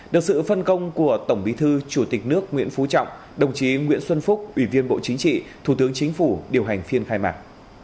được sự phân công của tổng bí thư chủ tịch nước nguyễn phú trọng đồng chí nguyễn xuân phúc ủy viên bộ chính trị thủ tướng chính phủ điều hành phiên khai mạc